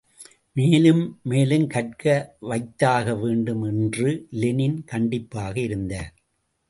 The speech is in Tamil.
மேலும் மேலும் கற்க வைத்தாக வேண்டும் என்று லெனின் கண்டிப்பாக இருந்தார்.